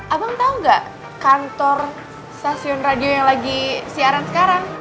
abang tahu nggak kantor stasiun radio yang lagi siaran sekarang